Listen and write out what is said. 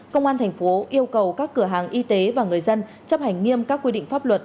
công an thành phố yêu cầu các cửa hàng y tế và người dân chấp hành nghiêm các quy định pháp luật